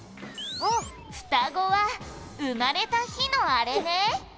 「ふたごは生まれた日のあれね」